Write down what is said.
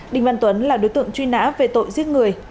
đinh văn tuấn là đối tượng truy nã về tội giết người